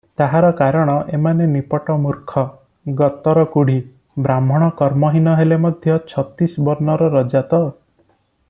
ତାହାର କାରଣ, ଏମାନେ ନିପଟ ମୂର୍ଖ, ଗତରକୁଢ଼ି, ବ୍ରାହ୍ମଣ କର୍ମହୀନ ହେଲେ ମଧ୍ୟ ଛତିଶ ବର୍ଣ୍ଣର ରଜା ତ!